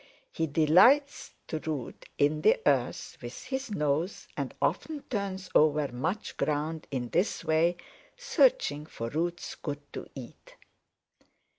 He delights to root in the earth with his nose and often turns over much ground in this way, searching for roots good to eat.